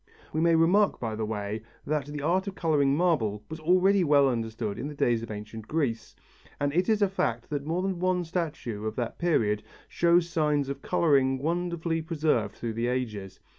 We may remark by the way that the art of colouring marble was already well understood in the days of ancient Greece, and it is a fact that more than one statue of that period shows signs of colouring wonderfully preserved through the ages.